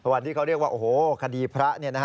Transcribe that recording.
วันที่เขาเรียกว่าโอ้โหคดีพระ